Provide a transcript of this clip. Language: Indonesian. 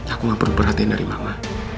aku nggak perlu perhatian dari mama